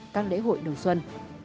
các lễ hội đồng xuân